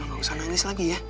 jadi mama gak usah nangis lagi ya